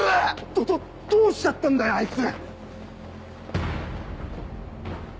どどどうしちゃったんだよあいつ！